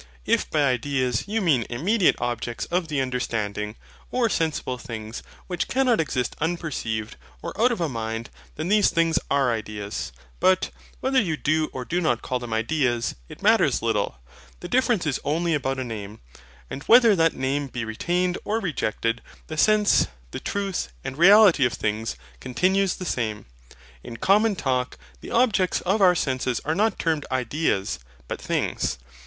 If by IDEAS you mean immediate objects of the understanding, or sensible things, which cannot exist unperceived, or out of a mind, then these things are ideas. But whether you do or do not call them IDEAS, it matters little. The difference is only about a name. And, whether that name be retained or rejected, the sense, the truth, and reality of things continues the same. In common talk, the objects of our senses are not termed IDEAS, but THINGS.